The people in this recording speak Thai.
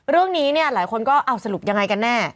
เรื่องนี้เนี่ยหลายคนก็เอาสรุปยังไงกันแน่